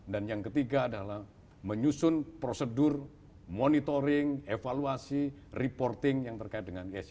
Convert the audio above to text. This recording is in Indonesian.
yang ketiga adalah menyusun prosedur monitoring evaluasi reporting yang terkait dengan esg